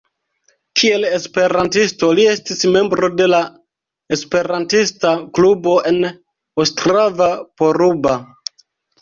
Kiel esperantisto li estis membro de la esperantista klubo en Ostrava-Poruba.